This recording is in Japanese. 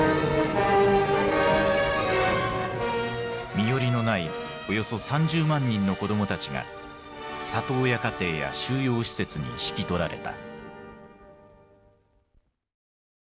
身寄りのないおよそ３０万人の子どもたちが里親家庭や収容施設に引き取られた。